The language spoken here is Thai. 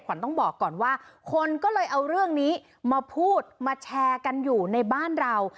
ขวัญต้องบอกก่อนว่าคนก็เลยเอาเรื่องนี้มาพูดมาแชร์กันอยู่ในบ้านเรา